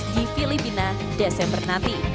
di filipina desember nanti